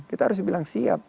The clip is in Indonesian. kita harus bilang siap